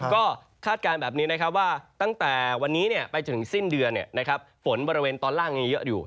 ก็คาดการณ์แบบนี้นะครับว่าตั้งแต่วันนี้ไปถึงสิ้นเดือนฝนบริเวณตอนล่างยังเยอะอยู่